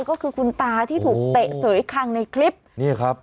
ก็คือคุณตาที่ถูกเตะเสยคังในคลิปนี่ครับ